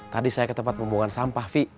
tadi saya ke tempat pembawaan sampah fi